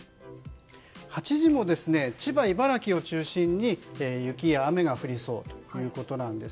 ８時も千葉、茨城を中心に雪や雨が降りそうということです。